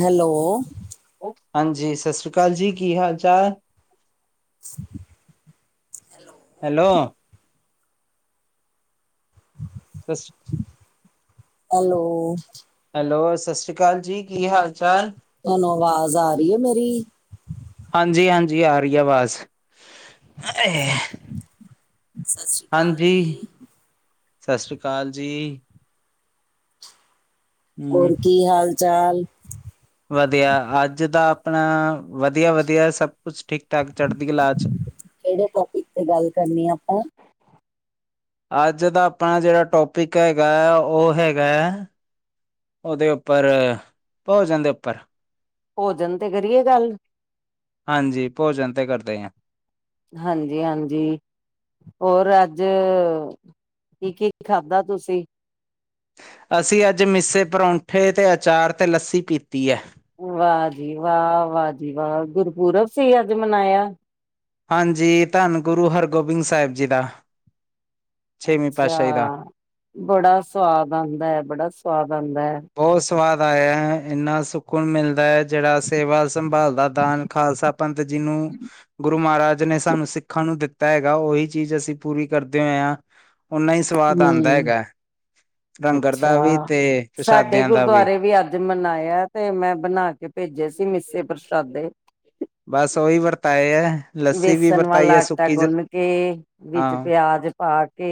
Hello. ਹਾਂਜੀ, ਸਾਸ੍ਰੀ ਕਾਲ ਜੀ, ਕੀ ਹਾਲ ਚਾਲ? [unintelligible] ਹੈਲੋ। [unintelligible] ਹੈਲੋ। ਹੈਲੋ ਸਾਸ਼੍ਰੀ ਕਾਲ ਜੀ, ਕੀ ਹਾਲ ਚਾਲ? ਤੋਨੂੰ ਆਵਾਜ਼ ਆ ਰਈ ਏ ਮੇਰੀ ਹਾਂਜੀ, ਹਾਂਜੀ ਆਰੀ ਆਵਾਜ਼ ਸਤਿ ਸ਼੍ਰੀ [unintelligible] ਅਕਾਲ ਹਾਂਜੀ। ਜੀ ਸਾਸ਼੍ਰੀ ਕਾਲ ਜੀ। ਹਮ ਹੋਰ ਕੀ ਹਾਲ ਚਾਲ ਵਦੀਆ ਆੱਜ ਦਾ ਆਪਨਾ ਵਦੀਆ, ਵਦੀਆ ਸਭ ਕੁਛ ਠੀਕ ਠਾਕ ਚੜਦੀਕਲਾ ਕਲਾ ਚ ਕੇੜੇ ਟੋਪਿਕ ਤੇ ਗਾੱਲ ਕਰਨੀ ਆ ਆਪਾਂ ਆੱਜ ਦਾ ਆਪਾਂ ਜੇੜਾ ਟੋਪਿਕ ਹੈਗਾ ਐ, ਓ ਹੈਗਾ ਓਦੇ ਉੱਪਰ ਭੋਜਨ ਦੇ ਉੱਪਰ ਭੋਜਨ ਤੇ ਕਰੀਏ ਗਾੱਲ ਹਾਂਜੀ ਭੋਜਨ ਤੇ ਕਰਦੇ ਆਂ। ਹਾਂਜੀ, ਹਾਂਜੀ। ਹੋਰ ਆੱਜ ਕੀ, ਕੀ ਖਾਧਾ ਤੁਸੀ ਅਸੀ ਆੱਜ ਮਿੱਸੇ ਪਰੋਂਠੇ ਤੇ ਅਚਾਰ ਤੇ ਲੱਸੀ ਪੀਤੀ ਐ। ਵਾ ਜੀ ਵਾ, ਵਾ ਜੀ ਵਾ ਗੁਰਪੁਰਬ ਸੀ ਅੱਜ ਮਨਾਏਆ। ਹਾਂਜੀ, ਧੰਨ ਗੁਰੂ ਹਰਗੋਬਿੰਦ ਸਾਹਿਬ ਜੀ ਦਾ ਛੇਵੀਂ ਅੱਛਾ, ਪਾਤਸ਼ਾਹੀ ਦਾ ਬੜਾ ਸਵਾਦ ਆਂਦਾ ਐ, ਬੜਾ ਸਵਾਦ ਆਂਦਾ ਐ। ਬੋਤ ਸਵਾਦ ਆਏਆ ਐ, ਏਨਾ ਸੁਕੂਨ ਮਿਲਦਾ ਐ ਜੇੜਾ ਸੇਵਾ ਸੰਭਾਲ ਦਾ ਦਾਨ ਖਾਲਸਾ ਪੰਥ ਜੀ ਨੂੰ। ਗੁਰੂ ਮਹਾਰਾਜ ਨੇ ਸਾਨੂੰ ਸਿੱਖਾਂ ਨੂੰ ਦਿੱਤਾ ਹੈਗਾ ਉਹੀ ਚੀਜ਼ ਅਸੀਂ ਪੂਰੀ ਕਰਦੇ ਹੋਏ ਹਾਂ। ਓਨਾ ਹੀ ਸਵਾਦ ਆਉਂਦਾ ਹਮ ਹੈਗਾ ਲੰਗਰ ਅੱਛਾ ਦਾ ਵੀ ਤੇ। ਸਾਡੇ ਪ੍ਰਸ਼ਾਦਿਆਂ ਦਾ ਗੁਰਦੁਆਰੇ ਵੀ ਅੱਜ ਮਨਾਇਆ ਤੇ ਮੈਂ ਬਣਾ ਕੇ। ਭੇਜਿਆ ਸੀ ਮਿੱਸੇ ਪ੍ਰਸ਼ਾਦੇ। ਬਸ ਉਹੀ ਵਰਤਾਏ ਹੈ ਲੱਸੀ ਵੀ ਬੇਸਣ ਵਰਤਾਈ ਵਾਲਾ ਹੈ ਆਟਾ ਸੁੱਕੀ ਗੁੰਨ ਕੇ ਵਿੱਚ ਹਾਂ ਪਿਆਜ। ਪਾ ਕੇ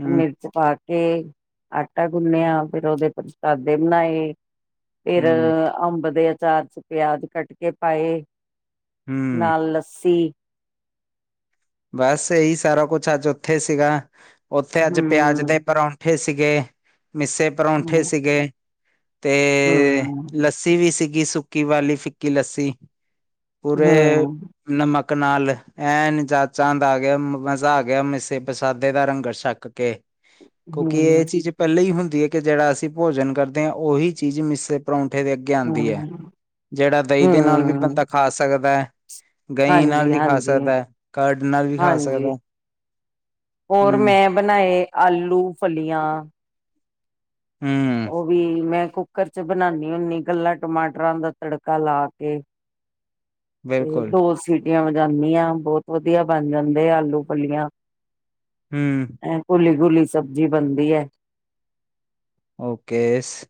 ਹਮ ਪਾ ਕੇ ਆਟਾ ਗੁੰਨਿਆ ਫੇਰ ਉਹਦੇ ਪ੍ਰਸ਼ਾਦੇ ਬਣਾਏ। ਫਿਰ ਹਮ ਅੰਬ ਦੇ ਅਚਾਰ ਚ ਪਿਆਜ਼ ਕੱਟ ਕੇ ਪਾਏ। ਹਮ ਨਾਲ ਲੱਸੀ। ਬਸ ਇਹੀ ਸਾਰਾ ਕੁਛ ਅੱਜ ਉੱਥੇ ਸੀਗਾ ਉੱਥੇ ਅੱਜ ਪਿਆਜ ਹੂੰ ਦੇ ਪ੍ਰੋਂ ਠੇ ਸੀਗੇ ਮਿੱਸੇ ਪਰੌਂਠੇ ਹੂੰ ਸੀਗੇ ਤੇ ਹੂੰ ਲ ਲੱਸੀ ਵੀ ਸੀਗੀ ਸੁੱਕੀ ਵਾਲੀ ਫਿੱਕੀ-ਲੱਸੀ ਪੂਰੇ ਹੂੰ ਨਮਕ ਨਾਲ ਐਨ ਜਾ ਚਾਂਦ ਆ ਗਿਆ ਮਜ਼ਾ ਆ ਗਿਆ ਮਿੱਸੇ ਪ੍ਰਸ਼ਾਦੇ ਦਾ ਲੰਗਰ ਛੱਕ ਕੇ ਕਿਉਂਕਿ ਹੂੰ ਇਹ ਚੀਜ਼ ਪਹਿਲਾਂ ਹੀ ਹੁੰਦੀ ਹੈ, ਕਿ ਜਿਹੜਾ ਅਸੀਂ ਭੋਜਨ ਕਰਦੇ ਹਾਂ ਉਹੀ ਚੀਜ਼ ਮਿਸੇ ਪਰੌਂਠੇ ਦੇ ਅੱਗੇ ਆਉਂਦੀ ਹੈ ਹੂੰ ਜਿਹੜਾ ਦਹੀਂ ਦੇ ਨਾਲ ਵੀ ਹੂੰ ਬੰਦਾ ਖਾ ਸਕਦਾ ਹੈ। ਦਹੀਂ ਨਾਲ ਹਾਂਜੀ ਵੀ ਖਾ ਹਾਂਜੀ ਸਕਦਾ ਕਰਡ ਨਾਲ ਵੀ ਖਾ ਹਾਂਜੀ ਸਕਦਾ ਹੋਰ ਹਮ। ਮੈਂ ਬਣਾਏ ਆਲੂ ਫਲੀਆਂ ਹਮ ਉਹ ਵੀ ਮੈਂ ਕੁੱਕਰ ਚ ਬਣਾਉਦੀ ਹੁੰਦੀ ਕੱਲਾ ਟਮਾਟਰਾਂ ਦਾ ਤੜਕਾ ਲਾ ਕੇ ਤੇ ਦੋ ਸੀਟੀਆਂ ਵਜਦੀ ਹਾਂ ਬਹੁਤ ਵਧੀਆ ਬਣ ਜਾਂਦੇ ਆਲੂ-ਫਲੀਆਂ ਹਮ ਐਨ ਘੁਲੀ-ਘੁਲੀ ਸਬਜ਼ੀ ਬਣਦੀ ਹੈ। ਓਕੇ ਸ।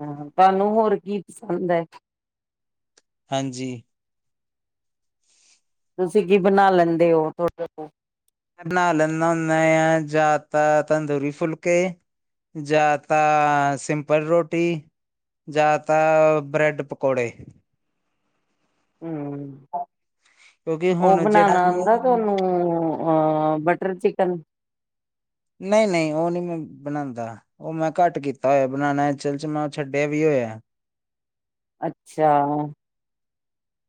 ਹਾਂ, ਤੁਹਾਨੂੰ ਹੋਰ ਕੀ ਪਸੰਦ ਹੈ? ਹਾਂਜੀ। ਤੁਸੀਂ ਕੀ ਬਣਾ ਲੈਂਦੇ ਹੋ? ਤੁਹਾਡੇ ਕੋਲ? ਮੈ ਬਣਾ ਲੈਂਦਾ ਹੁੰਦਾ ਆ ਜਾਤ ਤੰਦੂਰੀ-ਫੁਲਕੇ ਜਾਂ ਤਾਂ ਸਿੰਪਲ ਰੋਟੀ ਜਾਂ ਤਾਂ ਬ੍ਰੈਡ-ਪਕੌੜੇ ਹਮ ਕਿਉਂਕਿ ਉਹ ਹੁਣ ਜਿਹੜਾ ਬਣਾਉਣਾ ਆਉਂਦਾ ਮੈਂ- ਤੁਹਾਨੂੰ? ਹ ਬਟਰ ਚਿਕਨ? ਨਹੀਂ-ਨਹੀਂ ਉਹ ਨਹੀਂ ਮੈਂ ਬਣਾਉਂਦਾ। ਉਹ ਮੈਂ ਘੱਟ ਕੀਤਾ ਹੋਇਆ ਬਣਾਉਣਾ ਅਸਲ ਚ ਮੈਂ ਛੱਡਿਆ ਵੀ ਹੋਇਆ। ਅੱਛਾ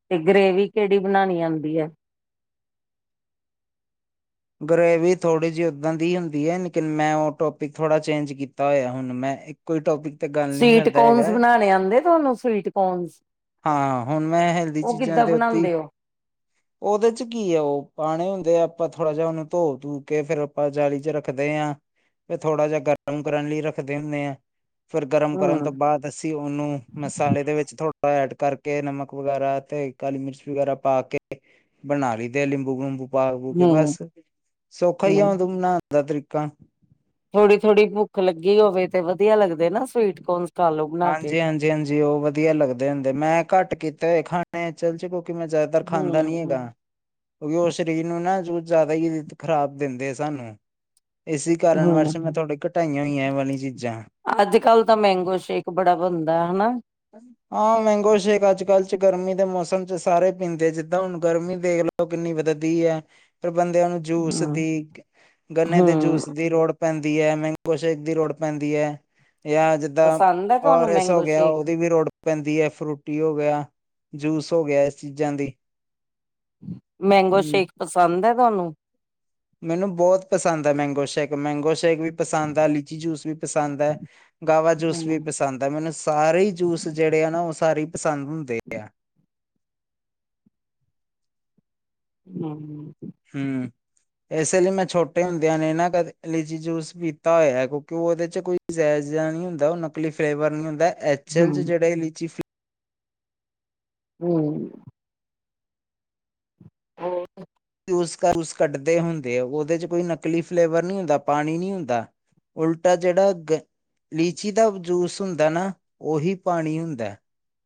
ਤੇ ਗਰੇਵੀ ਕਿਹੜੀ ਬਣਾਉਣੀ ਆਉਂਦੀ ਹੈ? ਗਰੇਵੀ ਥੋੜੀ ਜਿਹੀ ਓਦਾਂ ਦੀ ਹੁੰਦੀ ਹੈ। ਲੇਕਿਨ ਮੈਂ ਉਹ ਟੋਪਿਕ ਥੋੜਾ ਚੇਂਜ ਕੀਤਾ ਹੋਇਆ। ਹੁਣ ਮੈਂ ਇੱਕ ਕੋਈ ਟੋਪਿਕ ਤੇ ਗੱਲ ਨਹੀਂ ਸਵੀਟ ਕਰਦਾ ਕੋਨਸ ਹੈਗਾ। ਬਣਾਉਣੇ ਆਉਂਦੇ ਤੁਹਾਨੂੰ ਸਵੀਟ ਕੋਨਸ ਹਾਂ, ਹੁਣ ਮੈਂ ਹੈਲਦੀ ਉਹ ਚੀਜ਼ਾਂ ਕਿੱਦਾਂ ਦੇ ਉੱਤੇ ਇ। ਬਣਾਉਂਦੇ ਹੋ ਉਹਦੇ ਚ ਕੀ ਆ ਉਹ ਪਾਣੇ ਹੁੰਦੇ ਆਪਾਂ ਤਾਂ ਥੋੜ੍ਹਾ ਜਿਹਾ ਉਹਨੂੰ ਧੋ-ਧੂ ਕੇ ਫੇਰ ਆਪਾਂ ਜਾਲੀ ਚ ਰੱਖਦੇ ਹਾਂ। ਫਿਰ ਥੋੜਾ ਜਿਹਾ ਗਰਮ ਕਰਨ ਲਈ ਰੱਖਦੇ ਹੁੰਦੇ ਆ ਫਿਰ ਗਰਮ ਕਰਨ ਹੂੰ, ਤੋਂ ਬਾਅਦ। ਅੱਸੀਂ ਉਹਨੂੰ ਮਸਾਲੇ ਦੇ ਵਿੱਚ ਥੋੜ੍ਹਾ ਐਡ ਕਰਕੇ ਨਮਕ ਵਗੈਰਾ ਤੇ ਕਾਲੀ ਮਿਰਚ ਵਗੈਰਾ। ਪਾ ਕੇ ਬਣਾ ਲਈ ਦੇ ਨਿੰਬੂ ਨੁਬੂ ਪਾ ਕੇ। ਤੇ ਹੂੰ, ਬਸ ਸੌਖਾ ਹੀ ਆ ਹੂੰ ਉਹਨੂੰ ਬਣਾਉਣ ਦਾ ਤਰੀਕਾ। ਥੋੜ੍ਹੀ-ਥੋੜ੍ਹੀ ਭੁੱਖ ਲੱਗੀ ਹੋਵੇ ਤੇ ਵਧੀਆ ਲੱਗਦੇ ਨਾ ਸਵੀਟ ਕੋਨ? ਕਾਲੋ ਬਣਾ ਕੇ। ਹਾਂਜੀ-ਹਾਂਜੀ-ਹਾਂਜੀ, ਉਹ ਵਧੀਆ ਲੱਗਦੇ ਹੁੰਦੇ ਮੈਂ ਘੱਟ ਕੀਤੇ ਹੋਏ ਖਾਣੇ ਚਲ ਚ ਕਿਉਂਕਿ ਮੈਂ ਧਰ ਖਾਂਦਾ ਨੀ ਹੂੰ, ਹੈਗਾ ਕਿਉਂਕਿ ਉਹ ਸਰੀਰ ਨੂੰ ਨਾ ਜੋ ਜ਼ਿਆਦਾ ਹੀ ਖ਼ਰਾਬ ਦਿੰਦੇ ਸਾਨੂੰ ਇਸੇ ਕਾਰਨ ਵਸ਼ ਮੈਂ ਤੁਹਾਡੀ ਘਟਾਈਆਂ ਹੋਈਆਂ ਐ ਵਾਲੀਆਂ ਚੀਜ਼ਾਂ ਅੱਜ-ਕ ਲ ਤਾਂ ਮੈਂਗੋ ਸ਼ੇਕ ਬੜਾ ਬਣਦਾ ਹਨਾ ਹਾਂ, ਮੈਂਗੋ ਸ਼ੇਕ ਅੱਜ ਕੱਲ ਚ ਗਰਮੀ ਦੇ ਮੌਸਮ ਚ ਸਾਰੇ ਪੀਂਦੇ ਜਿੱਦਾਂ ਹੁਣ ਗਰਮੀ ਦੇਖਲਓ ਕਿੰਨੀ ਵੱਧਦੀ ਹੈ, ਪਰ ਬੰਦਿਆਂ ਨੂੰ ਜੂਸ ਹੂੰ, ਦੀ ਗੰਨੇ ਦੇ ਹੂੰ ਜੂਸ ਦੀ ਰੋੜ ਪੈਂਦੀ ਹੈ, ਮੈਂਗੋ ਸ਼ੇਕ ਦੀ ਲੋੜ ਪੈਂਦੀ ਹੈ, ਜਾਂ ਜ ਪਸੰਦ ਏ ਔਰ ਇਸਸ ਹੋ ਗਿਆ ਉਹਦੀ ਵੀ ਵੀ ਰੋੜ ਪੈਂਦੀ ਹੈ ਫਰੂਟੀ ਹੋ ਗਿਆ ਜੂਸ ਹੋ ਗਿਆ ਇਸ ਚੀਜ਼ਾਂ ਦੀ ਮੈਂਗੋ ਸ਼ੇਕ ਪਸੰਦ ਹੈ ਤੁਹਾਨੂੰ ਮੈਨੂੰ ਬਹੁਤ ਪਸੰਦ ਹੈ ਮੈਂਗੋ ਸ਼ੇਕ ਮੈਂਗੋ ਸ਼ੇਕ ਵੀ ਪਸੰਦ ਆ ਲੀਚੀ ਜੂਸ ਵੀ ਪਸੰਦ ਹੈ ਗਾਵਾ ਜੂਸ ਹੂੰ, ਵੀ ਪਸੰਦ ਹੈ ਮੈਨੂੰ ਸਾਰੇ ਹੀ ਜੂਸ ਜਿਹੜੇ ਆ ਨਾ ਉਹ ਸਾਰੇ ਪਸੰਦ ਹੁੰਦੇ ਆ। ਹੂੰ ਹੂੰ ਇਸੇ ਲਈ ਮੈਂ ਛੋਟੇ ਹੁੰਦਿਆਂ ਨੇ ਨਾ ਕਦੇ ਲਿਜੀ ਜੂਸ ਪੀਤਾ ਹੋਇਆ ਹੈ ਕਿਉਂਕਿ ਉਹ ਉਹਦੇ 'ਚ ਕੋਈ ਜ਼ਾਅਜ ਜਿਹਾ ਨਹੀਂ ਹੁੰਦਾ ਉਹ ਨਕਲੀ ਫਲੇਵਰ ਨੀ ਹੁੰਦਾ ਐਚਲ 'ਚ ਹੂੰ, ਜਿਹੜੇ ਲੀਚੀ ਹੂੰ ਹੋਰ ਉਸਕਾ ਜੂਸ ਕੱਢਦੇ ਹੁੰਦੇ ਉਹਦੇ 'ਚ ਕੋਈ ਨਕਲੀ ਫਲੇਵਰ ਨਹੀਂੀ ਹੁੰਦਾ ਪਾਣੀ ਨੀ ਹੁੰਦਾ। ਉਲਟਾ ਜਿਹੜਾ ਗ ਲੀਚੀ ਦਾ ਜੂਸ ਹੁੰਦਾ ਨਾ ਉਹੀ ਪਾਣੀ ਹੁੰਦਾ।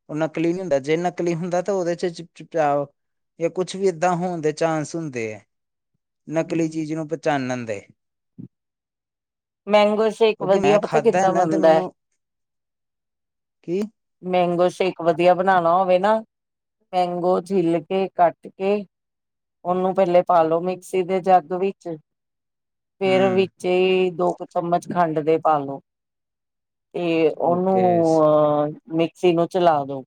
ਉਹ ਨਕਲੀ ਨੀ ਹੁੰਦਾ ਜੇ ਨਕਲੀ ਹੁੰਦਾ ਤਾਂ ਉਹਦੇ 'ਚ ਚਿ ਚਿਪਚਾਓ ਜਾਂ ਕੁਛ ਵੀ ਏਦਾਂ ਹੋਣ ਦੇ ਚਾਂਸ ਹੁੰਦੇ ਹੈ ਨਕਲੀ ਚੀਜ਼ ਨੂੰ ਪਚਾਣਣ ਦੇ ਮੈਂਗੋ ਸ਼ੇਕ ਕਿਉਂਕਿ ਮੈਂ ਵਧੀਆ ਪਤਾ ਖਾਧਾ ਹੈ ਕਿੱਦਾਂ ਨਾ ਤੇ ਬਣਦਾ ਹੈ? ਮੈਨੂੰ ਕੀ ਮੈਂਗੋ ਸ਼ੇਕ ਵਧੀਆ ਬਣਾਉਣਾ ਹੋਵੇ ਨਾ। ਮੈਂਗੋ ਛਿੱਲ ਕੇ ਕੱਟ ਕੇ ਉਹਨੂੰ ਪਹਿਲੇ ਪਾਲੋ ਮਿਕਸੀ ਦੇ ਜੱਗ ਵਿੱਚ ਫੇਰ ਹਮ ਵਿੱਚ ਹੀ ਦੋ ਕੁ ਚਮਚ ਖੰਡ ਦੇ ਪਾਲੋ। ਤੇ ਉਹਨੂੰ ਓਕੇ ਅਹ ਮਿਕਸੀ ਨੂੰ ਚਲਾ ਦੋ।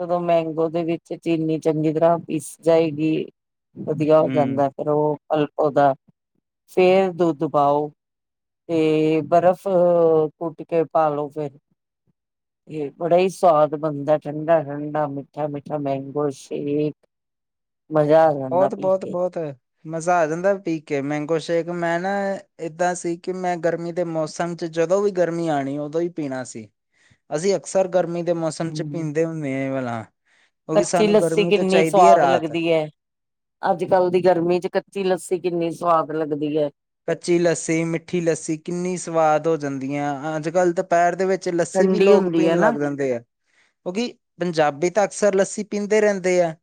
ਜਦੋਂ ਮੈਂਗੋ ਦੇ ਵਿੱਚ ਚੀਨੀ ਚੰਗੀ ਤਰ੍ਹਾਂ ਪੀਸ ਜਾਏਗੀ। ਵਧੀਆ ਹੋ ਹਮ ਜਾਂਦਾ ਫੇਰ ਉਹ ਪੁਲਪ ਓਹਦਾ ਫੇਰ ਦੁੱਧ ਪਾਓ। ਤੇ ਬਰਫ਼ ਕੁੱਟ ਕੇ ਪਾਲੋ ਫੇਰ ਇਹ ਬੜਾ ਹੀ ਸਵਾਦ ਬਣਦਾ ਠੰਡਾ ਠੰਡਾ ਮਿੱਠਾ ਮਿੱਠਾ ਮੈਂਗੋ ਸ਼ੇਕ ਮਜ਼ਾ ਅਜੰਦਾ ਬਹੁਤ ਬਹੁਤ ਬਹੁਤ ਮਜ਼ਾ ਆ ਜਾਂਦਾ ਪੀਕੇ ਮੈਂਗੋ ਸ਼ੇਕ ਮੈਂ ਨਾ ਏਦਾਂ ਸੀ ਕਿ ਮੈਂ ਗਰਮੀ ਦੇ ਮੌਸਮ ਚ ਜਦੋਂ ਵੀ ਗਰਮੀ ਆਉਣੀ ਉਦੋਂ ਹੀ ਪੀਣਾ ਸੀ। ਅਸੀਂ ਅਕਸਰ ਗਰਮੀ ਦੇ ਮੌਸਮ 'ਚ ਹਮ ਪੀਂਦੇ ਹੁੰਦੇ ਏ ਵਾਲਾ ਕਿਉਂਕਿ ਕੱਚੀ ਸਾਨੂੰ ਲੱਸੀ ਗਰਮੀ ਤੋਂ ਕਿੰਨੀ ਚਾਹੀਦੀ ਹੈ ਸਵਾਦ ਰਾਹਤ ਲੱਗਦੀ ਹੈ। ਅੱਜ ਕੱਲ ਦੀ ਗਰਮੀ 'ਚ ਕੱਚੀ ਲੱਸੀ ਕਿੰਨੀ ਸਵਾਦ ਲੱਗਦੀ ਐ। ਕੱਚੀ ਲੱਸੀ ਮਿੱਠੀ ਲੱਸੀ ਕਿੰਨੀ ਸਵਾਦ ਹੋ ਜਾਂਦੀ ਆ ਅੱਜ ਕੱਲ੍ਹ ਤਾਂ ਪੈਰ ਦੇ ਵਿੱਚ ਲੱਸੀ ਵੀ ਠੰਡੀ ਲੋਕ ਹੁੰਦੀ ਹੈ ਪੀਣ ਨਾ ਲੱਗ ਜਾਂਦੇ ਆ। ਕਿਉਂਕਿ ਪੰਜਾਬੀ ਤਾਂ ਅਕਸਰ ਲੱਸੀ ਪੀਂਦੇ ਰਹਿੰਦੇ ਆ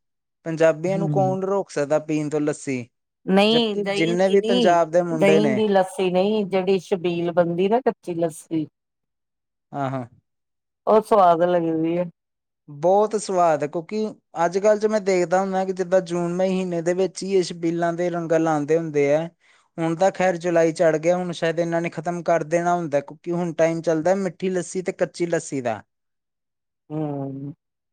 ਪੰਜਾਬੀਆਂ ਨੂੰ ਹਮ, ਕੌਣ ਰੋਕ ਸਕਦਾ ਪੀਣ ਤੋਂ ਲੱਸੀ ਨਹੀਂ ਜਬਕਿ ਦਹੀ ਜਿੰਨੇ ਦੀ ਵੀ ਨੀ। ਪੰਜਾਬ ਦੇ ਮੁੰਡੇ ਦਹੀਂ ਨੇ ਦੀ ਲੱਸੀ ਨਹੀਂ ਜਿਹੜੀ ਛਬੀਲ ਬਣਦੀ ਨਾ ਕੱਚੀ ਲੱਸੀ ਆ ਹਾਂ ਉਹ ਸਵਾਦ ਲੱਗਦੀ ਏ। ਬਹੁਤ ਸਵਾਦ ਹੈ ਕਿਉਂਕਿ ਅੱਜ ਕੱਲ੍ਹ 'ਚ ਮੈਂ ਦੇਖਦਾ ਹੁੰਦਾ ਕਿ ਜਿੱਦਾਂ ਜੂਨ ਮਹੀਨੇ ਦੇ ਵਿੱਚ ਹੀ ਇਹ ਸ਼ਬੀਲਾਂ ਦੇ ਲੰਗਰ ਲਾਉਂਦੇ ਹੁੰਦੇ ਏ। ਹੁਣ ਤਾਂ ਖੈਰ ਜੁਲਾਈ ਚੜ੍ਹ ਗਿਆ ਹੁਣ ਸ਼ਾਇਦ ਇਹਨਾ ਨੇ ਖ਼ਤਮ ਕਰ ਦੇਣਾ ਹੁੰਦਾ। ਹੁਣ ਟਾਈਮ ਚੱਲਦਾ ਮਿੱਠੀ ਲੱਸੀ ਤੇ ਕੱਚੀ ਲੱਸੀ ਦਾ ਹੂੰ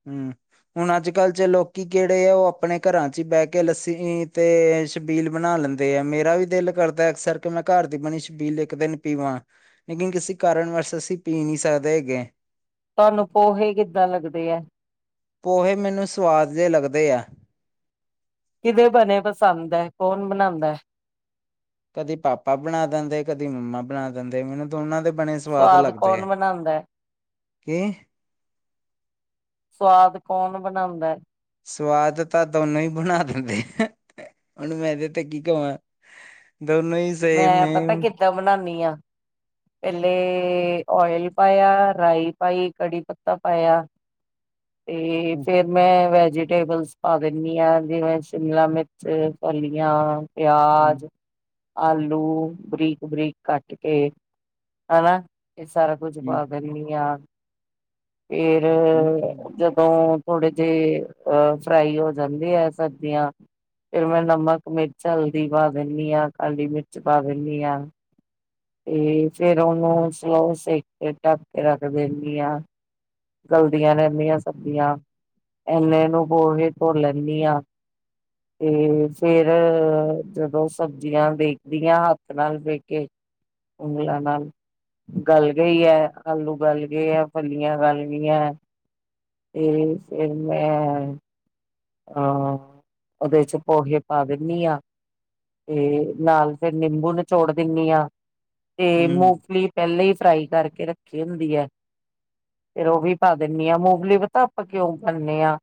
ਹੂੰ ਹੁਣ ਅੱਜ ਕੱਲ੍ਹ 'ਚ ਲੋਕ ਕਿ ਕਿਹੜੇ ਆ ਉਹ ਆਪਣੇ ਘਰਾਂ 'ਚ ਹੀ ਬਹਿ ਕੇ ਲੱਸੀ ਤੇ ਛਬੀਲ ਬਣਾ ਲੈਂਦੇ ਆ ਮੇਰਾ ਵੀ ਦਿਲ ਕਰਦਾ ਅਕਸਰ ਕਿ ਮੈਂ ਘਰ ਦੀ ਬਣੀ ਛਬੀਲ ਇੱਕ ਦਿਨ ਪੀਵਾਂ। ਲੇਕਿਨ ਕਿਸੇ ਕਾਰਨ ਵਾਸ ਅਸੀਂ ਪੀ ਨਹੀ ਸਕਦੇ ਹੈਗੇ ਤੁਹਾਨੂੰ ਪੋਹੇ ਕਿੱਦਾਂ ਲੱਗਦੇ ਹੈ ਪੋਹੇ ਮੈਨੂੰ ਸਵਾਦ ਜਿਹੇ ਲੱਗਦੇ ਆ, ਕਿਦੇ ਬਣੇ ਪਸੰਦ ਹੈ ਕੌਣ ਬਣਾਉਂਦਾ ਕਦੀ ਪਾਪਾ ਬਣਾ ਦਿੰਦੇ ਕਦੀ ਮੰਮਾ ਬਣਾ ਦਿੰਦੇ ਮੈਨੂੰ ਦੋਨਾਂ ਦੇ ਬਣੇ ਸਵਾਦ ਲੱਗਦੇ ਕੌਣ ਹੈ ਬਣਾਉਂਦਾ ਹੈ ਕੀ ਸਵਾਦ ਕੌਣ ਬਣਾਉਂਦਾ, ਸਵਾਦ ਤਾਂ ਦੋਨੋਂ ਹੀ ਬਣਾ ਦਿੰਦੇ ਆ ਹੁਣ ਮੈਂ ਦੇ ਤੇ ਕੀ ਕਹਾਂ ਦੋਨਾਂ ਮੈਂ ਪਤਾ ਕਿੱਦਾਂ ਬਣਾਦੀ ਹਾਂ, ਪਹਿਲੇ ਓਇਲ ਪਾਇਆ ਰਾਈ ਪਾਈ ਕੜੀ ਪੱਤਾ ਪਾਇਆ, [inaudible] ਤੇ ਹੂੰ ਫੇਰ ਮੈਂ ਵੈਜੀਟੇਬਲਸ ਪਾ ਦਿੰਦੀ ਹਾਂ, ਜਿਵੇਂ ਸ਼ਿਮਲਾ ਮਿਰਚ ਫਲੀਆਂ ਪਿਆਜ, ਆਲੂ ਬਰੀਕ ਬਰੀਕ ਕੱਟ ਕੇ ਹਨਾ ਇਹ ਸਾਰਾ ਕੁੱਝ ਪਾ ਹੂੰ ਕਰਨੀ ਹਾਂ ਫੇਰ ਤੋਂ ਥੋੜੇ ਜਿਹੇ ਆ ਫਰਾਈ ਹੋ ਜਾਂਦੀ ਹੈ ਸਬਜ਼ੀਆ ਫਿਰ ਮੈਂ ਨਮਕ, ਮਿਰਚ, ਹਲਦੀ ਪਾ ਦਿੰਦੀ ਹਾਂ ਕਾਲੀ ਮਿਰਚ ਪਾ ਦਿੰਦੀ ਹਾਂ। ਤੇ ਫੇਰ ਉਹਨੂੰ ਸਲੋ ਸੇਕ ਕੇ ਢੱਕ ਕੇ ਰੱਖ ਦਿੰਦੀ ਆ, ਗਲਦੀਆਂ ਰਹਿੰਦੀਆਂ ਸਬਜ਼ੀਆਂ ਇਨੇਨੂੰ ਹੋੋ ਕੇ ਤੁਰ ਲੈਂਦੀ ਹਾਂ। ਤੇ ਫੇਰ ਜਦੋਂ ਸਬਜ਼ੀਆਂ ਦੇੇਖਦੀਆਂ ਹੱਥ ਨਾਲ ਵੇਕੇ ਉਂਗਲਾਂ ਨਾਲ ਗਲ ਗਈ ਹੈ। ਆਲੂ ਗਲ ਗਏ ਆ ਫਲੀਆਂ ਗਲ ਗਈ ਤੇ ਫਿਰ ਮੈਂ ਅਹ ਉਹਦੇ ਚ ਪੋਹੇ ਪਾ ਦਿੰਦੀ ਹਾਂ ਤੇ ਨਾਲ ਫਿਰ ਨਿੰਬੂ ਨਚੋੜ ਦਿੰਦੀ ਹਾਂ ਤੇ ਹੂੰ ਮੂੰਗਫਲੀ ਪਹਿਲੀ ਹੀ ਫਰਾਈ ਕਰਕੇ ਰੱਖੀ ਹੁੰਦੀ ਹੈ। ਫਿਰ ਉਹ ਵੀ ਪਾ ਦਿੰਦੀ ਹਾਂ ਮੂੰਗਫਲੀ ਪਤਾ ਆਪਾਂ ਕਿਉਂ ਖਾਂਦੇ ਹਾਂ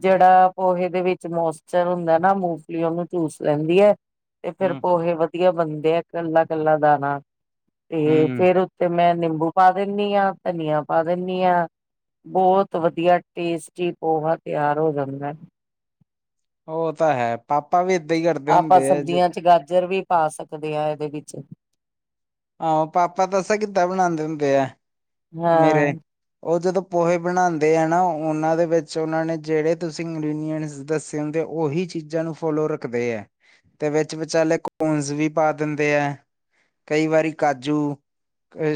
ਜਿਹੜਾ ਪੋਹੇ ਦੇ ਵਿੱਚ ਮੋਸਚਰ ਹੁੰਦਾ ਨਾ ਮੂੰਗਫਲੀ ਉਹਨੂੰ ਚੂਸ ਲੈਂਦੀ ਹੈ ਤੇ ਫੇਰ ਹੂੰ ਪੋਹੇ ਵਧੀਆ ਬਣਦੇ ਆ ਇਕੱਲਾ ਕੱਲਾ ਦਾਣਾ ਤੇ ਹੂੰ, ਫੇਰ ਤੇ ਮੈਂ ਨਿੰਬੂ ਪਾ ਦਿੰਦੀ ਹਾਂ ਧਨੀਆ ਪਾ ਦਿੰਦੀ ਹਾਂ ਬਹੁਤ ਵਧੀਆ ਟੇਸਟੀ ਪੋਹਾ ਤਿਆਰ ਹੋ ਜਾਂਦਾ। ਉਹ ਤਾਂ ਹੈ ਪਾਪਾ ਵੀ ਏਦਾਂ ਹੀ ਕਰਦੇ ਆਪਾਂ ਹੁੰਦੇ ਹੈ ਜੇ ਸਬਜ਼ੀਆਂ ਚ ਗਾਜਰ ਵੀ, ਪਾ ਸਕਦੇ ਆ ਇਹਦੇ ਵਿੱਚ ਆਹੋ ਪਾਪਾ ਦੱਸਾ ਕਿੱਦਾਂ ਬਣਾਉਦੇ ਹੁੰਦੇ ਆ ਹਾਂ ਮੇਰੇ ਉਹ ਜਦੋਂ ਪੋਹੇ ਬਣਾਉਂਦੇ ਆ ਨਾ ਉਹਨਾਂ ਦੇ ਵਿੱਚ ਉਹਨਾਂ ਨੇ ਜਿਹੜੇ ਤੁਸੀਂ ਇੰਗਰੀਡੀਅਂਟਸ ਦੱਸੋ ਦੇ ਉਹੀ ਚੀਜ਼ਾਂ ਨੂੰ ਫੋਲੋ ਰੱਖਦੇ ਹੈ। ਤੇ ਵਿਚ ਵਿਚਾਲੇ ਕੋਨਸ ਵੀ ਪਾ ਦਿੰਦੇ ਹੈ। ਕਈ ਵਾਰੀ ਕਾਜੂ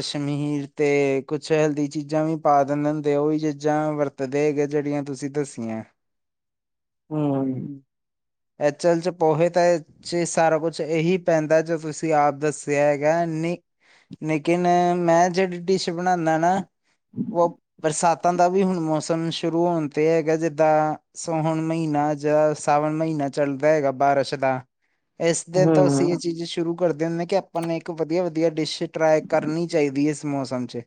ਸਮੀਰ ਤੇ, ਕੁਛ ਹੈਲਦੀ ਚੀਜ਼ਾਂ ਵੀ ਪਾ ਦਿੰਦੇ ਹੁੰਦੇ ਉਹ ਹੀ ਚੀਜ਼ਾਂ ਵਰਤਦੇ ਹੈਗੇ ਜਿਹੜੀਆਂ ਤੁਸੀਂ ਦੱਸੀਆਂ ਹਮ ਹੂੰ ਹਮ ਇਹ ਚਲ ਚ ਪੋਹੇ ਤਾਂ ਚ ਸਾਰਾ ਕੁਛ ਇਹੀ ਪੈਂਦਾ ਜੋ ਤੁਸੀਂ ਆਪ ਦੱਸਿਆ ਹੈਗਾ ਨੀ ਲੇਕਿਨ ਮੈਂ ਜਿਹੜੀ ਡਿਸ਼‌ ਬਣਾਉਦਾ, ਨਾ ਉਹ ਬਰਸਾਤਾਂ ਦਾ ਵੀ ਹੁਣ ਮੌਸਮ ਸ਼ੁਰੂ ਹੋਣ 'ਤੇ ਹੈਗਾ, ਜਿੱਦਾਂ ਸੋਹਣ ਮਹੀਨਾ ਜਾਂ ਸਾਵਣ ਮਹੀਨਾ ਚੱਲਦਾ ਹੈਗਾ ਬਾਰਿਸ਼ ਦਾ। ਇਸ ਦਿਨ ਤੋਂ ਅਸੀ, ਹੂੰ ਚੀਜ਼ ਸ਼ੁਰੂ ਕਰਦੇ ਹੁੰਦੇ ਨੇ, ਕਿ ਆਪਾਂ ਨੂੰ ਇੱਕ ਵਧੀਆ ਵਧੀਆ ਡਿਸ਼ ਟਰਾਈ ਕਰਨੀ ਚਾਹੀਦੀ ਹੈ, ਇਸ ਮੌਸਮ ਚ-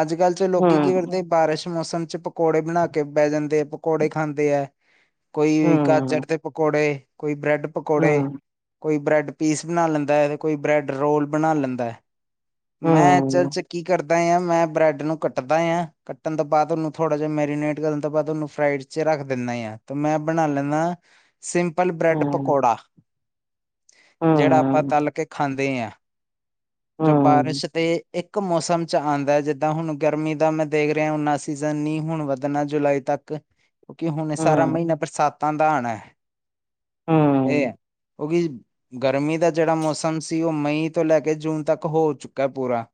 ਅੱਜ-ਕੱਲ ਲੋਕੀ ਕੀ ਹੂੰ ਕਰਦੇ। ਬਾਰਿਸ਼ ਮੌਸਮ ਚ ਪਕੌੜੇ ਬਣਾ ਕੇ ਬਹਿ ਜਾਂਦੇ ਹੈ, ਪਕੌੜੇ ਖਾਂਦੇ ਹੈ। ਕੋਈ ਗਾਜਰ ਹੂੰ ਹੂੰ ਦੇ ਪਕੌੜੇ ਕੋਈ ਬ੍ਰੈਡ ਪਕੌੜੇ। ਹੂੰ ਕੋਈ ਬ੍ਰੈੱਡ ਪੀਸ ਬਣਾ ਲੈਂਦਾ ਐ, ਅਤੇ ਕੋਈ ਬ੍ਰੈੱਡ ਰੋਲ ਬਣਾ ਲੈਂਦਾ ਐ। ਮੈਂ ਅਚਲ ਹੂੰ ਚ ਕੀ ਕਰਦਾ। ਮੈਂ ਬ੍ਰੈਡ ਨੂੰ ਕੱਟਦਾ ਹਾਂ ਕੱਟਣ ਤੋਂ ਬਾਅਦ ਉਹਨੂੰ ਥੋੜਾ ਜਿਹਾ ਮੈਰੀਨੇਟ ਕਰਨ ਤੋਂ ਬਾਅਦ ਉਹਨੂੰ ਫਰਾਈਡ। ਵਿੱਚ ਰੱਖ ਦਿੰਦਾ ਹੀ, ਆ ਤੇ ਮੈਂ ਬਣਾ ਲੈਦਾ ਆ। ਸਿੰਪਲ ਬ੍ਰੈਡ ਪਕੌੜਾ, ਜਿਹੜਾ ਆਪਾਂ ਹੂੰ ਤਲ ਕੇ ਖਾਂਦੇ ਆ। ਜੋ ਹੂੰ ਬਾਰਿਸ਼ ਤੇ ਇੱਕ ਮੌਸਮ [unintelligible] ਆਉਂਦਾ ਹੈ, ਜਿੱਦਾਂ ਹੁਣ ਗਰਮੀ ਦਾ ਮੈਂ ਦੇਖ ਰਿਹਾ ਉਨਾ ਸੀਜ਼ਨ ਨੀ ਹੁਣ ਵੱਧਣਾ ਜੁਲਾਈ ਤੱਕ। ਕਿਉਂਕਿ ਹੁਣ ਸਾਰਾ ਹੂੰ, ਮਹੀਨਾ ਬਰਸਾਤਾਂ ਦਾ ਆਉਣਾ ਇਹ ਹੂੰ, ਹੇ। ਕਿਉਂਕਿ ਗਰਮੀ ਦਾ ਜਿਹੜਾ ਮੌਸਮ ਸੀ, ਉਹ ਮਈ ਤੋਂ ਲੈ ਕੇ ਜੂਨ ਤੱਕ ਹੋ ਚੁੱਕਾ ਪੂਰਾ।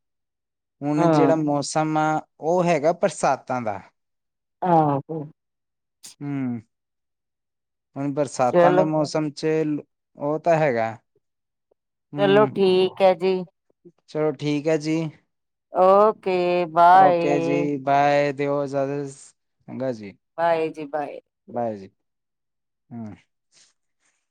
ਹੁਣ ਜਿਹੜਾ ਹੂੰ ਮੌਸਮ ਆ ਉਹ ਹੈਗਾ ਬਰਸਾਤਾਂ ਦਾ। ਆਹੋ। ਹੂੰ, ਹੁਣ ਬਰਸਾਤਾਂ ਦੇ ਚਲੋ, ਮੌਸਮ ਚ ਉਹ ਤਾਂ ਹੈਗਾ। ਚਲੋ ਹਮ ਠੀਕ ਹੈ ਜੀ। ਚਲੋ ਠੀਕ ਹੈ ਜੀ। ਓਕੇ। ਬਾਏ, ਓਕੇ ਜੀ ਬਾਏ ਦਿਓ, ਇਜ਼ਾਜ਼ਤ ਚੰਗਾ ਜੀ। ਬਾਏ ਜੀ ਬਾਏ। ਬਾਏ ਜੀ।